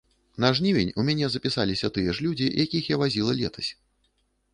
На жнівень у мяне запісаліся тыя ж людзі, якіх я вазіла летась.